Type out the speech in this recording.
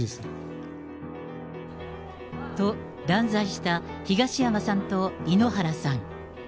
と、断罪した東山さんと井ノ原さん。